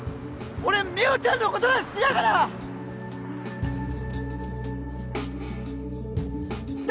俺美穂ちゃんのことが好きだからッだ